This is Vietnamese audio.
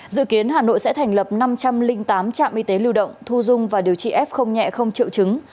dự kiến hà nội sẽ thành lập năm trăm linh tám trạm y tế lưu động thu dung và điều trị f nhẹ không triệu chứng